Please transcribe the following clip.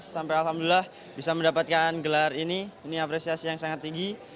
sampai alhamdulillah bisa mendapatkan gelar ini ini apresiasi yang sangat tinggi